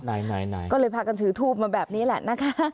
ไหนก็เลยพากันถือทูปมาแบบนี้แหละนะคะ